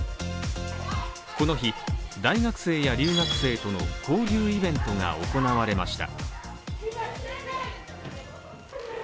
この日、大学生や留学生との交流イベントが行われました。